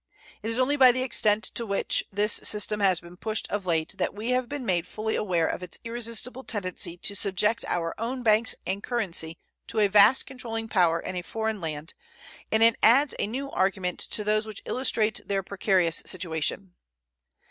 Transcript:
It is only by the extent to which this system has been pushed of late that we have been made fully aware of its irresistible tendency to subject our own banks and currency to a vast controlling power in a foreign lad, and it adds a new argument to those which illustrate their precarious situation..